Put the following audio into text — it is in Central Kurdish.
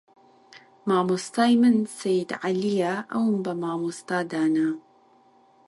مامۆستای من سەید عەلیە ئەوم بە مامۆستا دانا